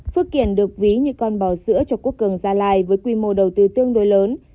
phước kiển được ví như con bò sữa cho quốc cường gia lai với quy mô đầu tư tương đối lớn